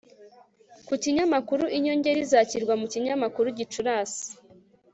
ku kinyamakuru, inyongera izashyirwa mu kinyamakuru gicurasi